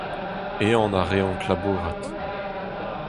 Ehan a reont labourat.